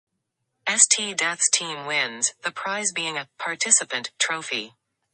Death's team wins, the prize being a 'participant' trophy.